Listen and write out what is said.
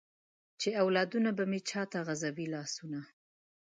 چې اولادونه به مې چاته غزوي لاسونه ؟